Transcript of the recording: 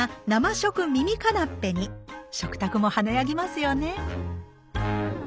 食卓も華やぎますよね！